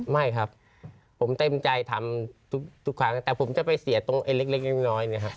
ไม่ครับผมเต็มใจทำทุกครั้งแต่ผมจะไปเสียตรงเล็กเล็กน้อย